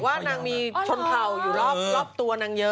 ว่านางมีชนเผ่าอยู่รอบตัวนางเยอะ